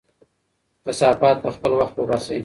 کثافات په خپل وخت وباسئ.